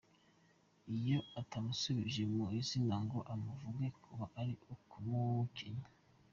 Iyo atamusubiye mu izina ngo amuvuge, kuba ari ukumukenya.